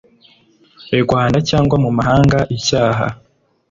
rwanda cyangwa mu mahanga icyaha